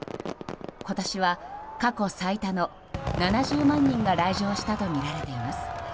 今年は過去最多の７０万人が来場したとみられています。